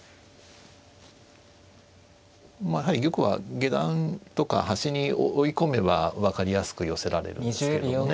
やはり玉は下段とか端に追い込めば分かりやすく寄せられるんですけれどもね。